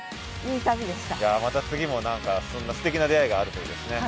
いやまた次もそんなすてきな出会いがあるといいですね。